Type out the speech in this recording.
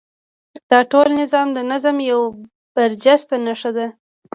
دا د ټول نظام د ظلم یوه برجسته نښه ده.